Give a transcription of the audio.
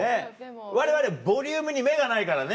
われわれボリュームに目がないからね。